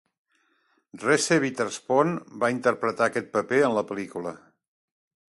Reese Witherspoon va interpretar aquest paper en la pel·lícula.